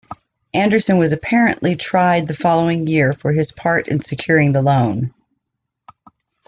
Anderson was apparently tried the following year for his part in securing the loan.